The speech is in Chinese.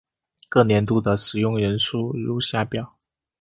各年度的使用人数如下表。